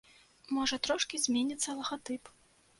Можа трошкі зменіцца лагатып.